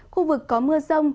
khu vực có mưa rông